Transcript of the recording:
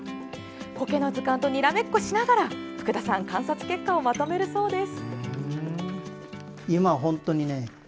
コケの図鑑とにらめっこしながら福田さん観察結果をまとめるそうです。